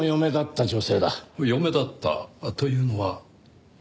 「嫁だった」というのは？